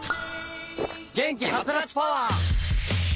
元気ハツラツパワー！